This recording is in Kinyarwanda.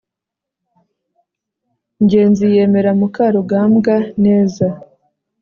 ngenzi yemera mukarugambwa neza